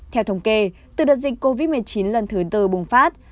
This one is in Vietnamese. theo thống kê từ đợt dịch covid một mươi chín lần thứ tư bùng phát